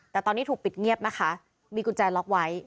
แต่ตอนนี้ถูกปิดเงียบนะคะมีกุญแจล็อกไว้